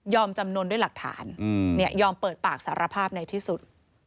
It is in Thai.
จำนวนด้วยหลักฐานยอมเปิดปากสารภาพในที่สุด